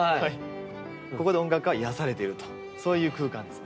ここで音楽家は癒やされているとそういう空間ですね。